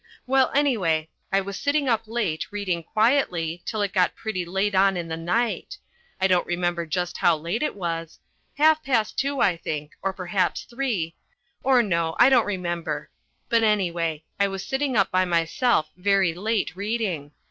Well, anyway, I was sitting up late reading quietly till it got pretty late on in the night. I don't remember just how late it was half past two, I think, or perhaps three or, no, I don't remember. But, anyway, I was sitting up by myself very late reading.